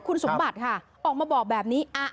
คุณสมบัติค่ะออกมาบอกแบบนี้